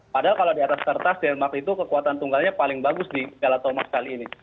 padahal kalau di atas kertas denmark itu kekuatan tunggalnya paling bagus di piala thomas kali ini